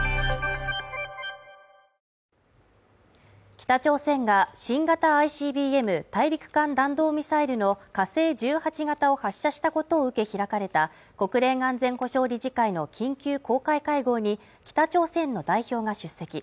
北朝鮮が新型ＩＣＢＭ大陸間弾道ミサイルの火星１８型を発射したことを受け開かれた国連安全保障理事会の緊急公開会合に北朝鮮の代表が出席。